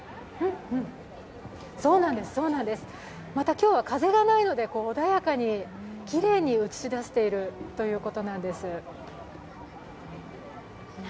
今日は風がないので穏やかにきれいに映しだしているということなんです。